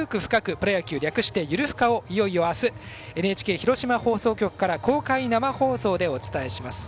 プロ野球」略して「ゆるふか」をいよいよ明日ＮＨＫ広島放送局から公開生放送でお伝えします。